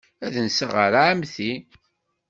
Ad nseɣ ɣer ɛemmti.